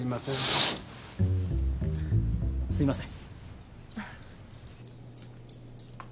あっすいません。